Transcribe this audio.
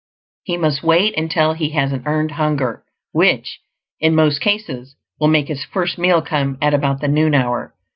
He must wait until he has an Earned Hunger, which, in most cases, will make his first meal come at about the noon hour.